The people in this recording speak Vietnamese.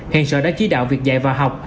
hiện sở đã chỉ đạo việc dạy vào học